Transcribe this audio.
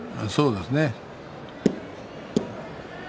そうですね。